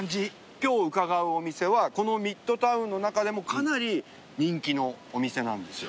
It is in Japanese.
今日伺うお店はこのミッドタウンの中でもかなり人気のお店なんですよ。